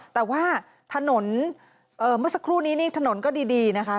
แต่ว่าถนนเมื่อสักครู่นี้นี่ถนนก็ดีนะคะ